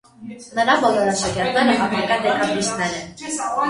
Նրա բոլոր աշակերտները ապագա դեկաբրիստներ են։